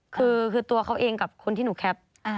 คือตัวเขาเองกับคนที่หนูแคป